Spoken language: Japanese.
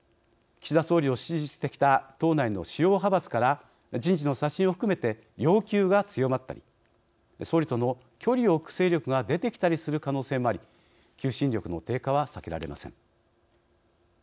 岸田総理を支持してきた党内の主要派閥から人事の刷新を含めて要求が強まったり総理との距離を置く勢力が出てきたりする可能性もあり求心力の低下は避けられません。